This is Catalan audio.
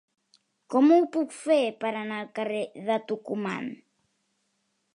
Com ho puc fer per anar al carrer de Tucumán?